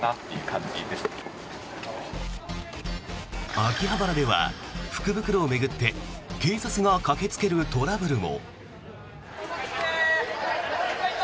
秋葉原では福袋を巡って警察が駆けつけるトラブルも。